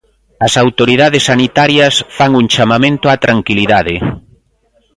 As autoridades sanitarias fan un chamamento á tranquilidade.